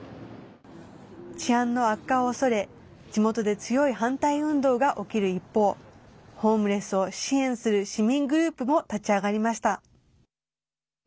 治安の悪化を恐れ、地元で強い反対運動が起きる一方ホームレスを支援する市民グループも立ち上がりました。